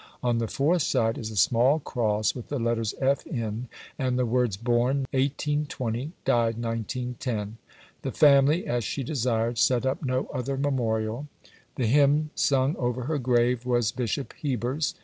On the fourth side is a small cross with the letters "F. N.," and the words "Born 1820. Died 1910." The family, as she desired, set up no other memorial. The hymn sung over her grave was Bishop Heber's.